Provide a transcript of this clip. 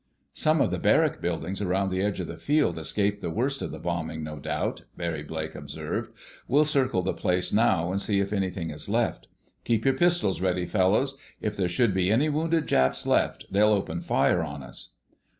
"Some of the barrack buildings around the edge of the field escaped the worst of the bombing, no doubt," Barry Blake observed. "We'll circle the place now and see if anything is left. Keep your pistols ready, fellows. If there should be any wounded Japs left, they'll open fire on us."